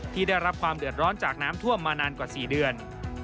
ได้รับความเดือดร้อนจากน้ำท่วมมานานกว่า๔เดือน